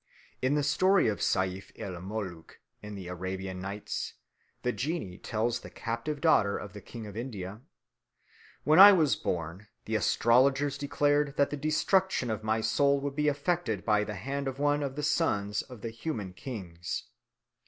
In the story of Seyf el Mulook in the Arabian Nights the jinnee tells the captive daughter of the King of India, "When I was born, the astrologers declared that the destruction of my soul would be effected by the hand of one of the sons of the human kings.